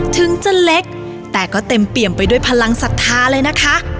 ถึงจะเล็กแต่ก็เต็มเปี่ยมไปด้วยพลังศรัทธาเลยนะคะ